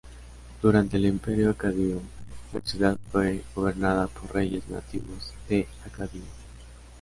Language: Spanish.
Durante el Imperio Acadio, la ciudad fue gobernada por reyes nativos de Acadia.